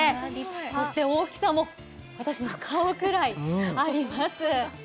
そして大きさも、私の顔くらいあります。